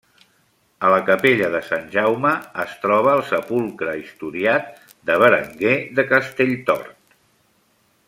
A la capella de Sant Jaume es troba el sepulcre historiat de Berenguer de Castelltort.